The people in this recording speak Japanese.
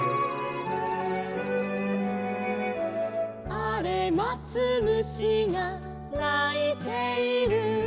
「あれまつ虫がないている」